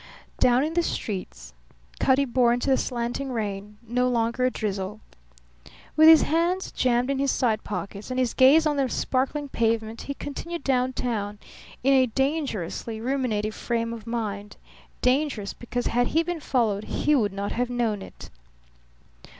Down in the street Cutty bore into the slanting rain, no longer a drizzle. With his hands jammed in his side pockets and his gaze on the sparkling pavement he continued downtown, in a dangerously ruminative frame of mind, dangerous because had he been followed he would not have known it.